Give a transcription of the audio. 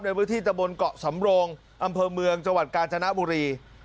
ในพื้นที่ตะบนเกาะสำโรงอำเภอเมืองจังหวัดกาญจนบุรี